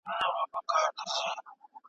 د سردرد شدت توپیر لري.